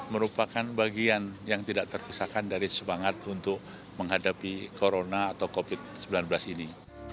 merupakan bagian yang tidak terpisahkan dari semangat untuk menghadapi corona atau covid sembilan belas ini